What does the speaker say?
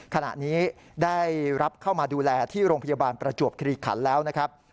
ขณะนี้ได้รับเข้ามาดูแลที่โรงพยาบาลประจวบคิริขันแล้วนะครับ